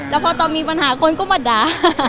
แล้วพอตอนมีปัญหาคนก็มาด่า